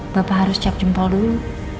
bapak harus cek jempol dulu